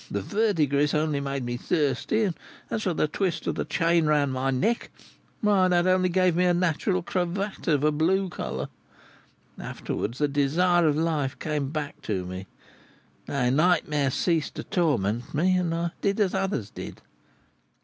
The verdigris only made me thirsty; and as for the twist of the chain round my neck, why, that only gave me a natural cravat of a blue colour. Afterwards, the desire of life came back to me, nay nightmare ceased to torment me, and I did as others did."